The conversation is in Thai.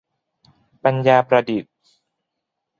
ปัญญาประดิษฐ์